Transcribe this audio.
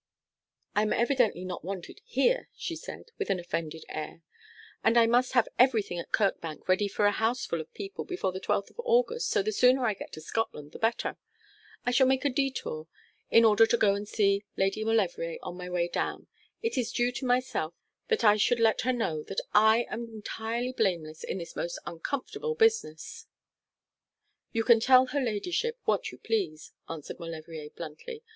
'I am evidently not wanted here,' she said, with an offended air; 'and I must have everything at Kirkbank ready for a house full of people before the twelfth of August, so the sooner I get to Scotland the better. I shall make a détour in order to go and see Lady Maulevrier on my way down. It is due to myself that I should let her know that I am entirely blameless in this most uncomfortable business.' 'You can tell her ladyship what you please,' answered Maulevrier, bluntly.